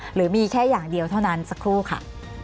หรือมีแค่อย่างเดียวเท่านั้นสักครู่ค่ะ